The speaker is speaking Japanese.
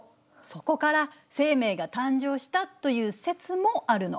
そこから生命が誕生したという説もあるの。